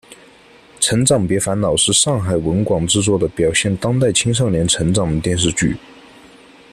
成长别烦恼是上海文广制作的表现当代青少年成长的电视剧。